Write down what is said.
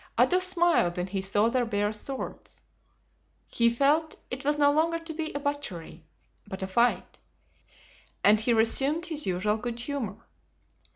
Athos smiled when he saw their bare swords; he felt it was no longer to be a butchery, but a fight, and he resumed his usual good humor.